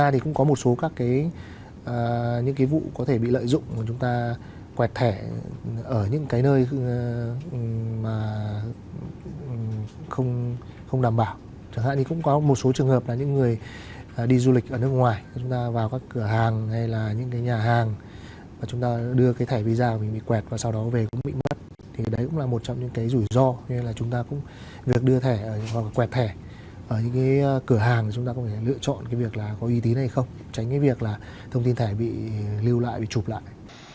đưa thẻ hoặc quẹt thẻ ở những cái cửa hàng chúng ta có thể lựa chọn cái việc là có uy tín hay không tránh cái việc là thông tin thẻ bị lưu lại bị chụp lại